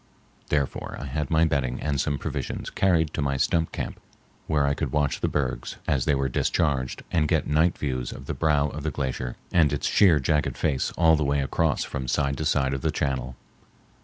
Therefore I had my bedding and some provisions carried to my stump camp, where I could watch the bergs as they were discharged and get night views of the brow of the glacier and its sheer jagged face all the way across from side to side of the channel.